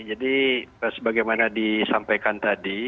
jadi sebagaimana disampaikan tadi